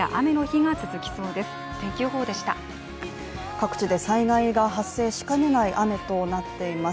各地で災害が発生しかねない雨となっています